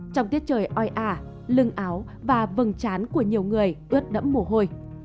trong tiết trời oi ả lưng áo và vầng chán của nhiều người ướt đẫm mồ hôi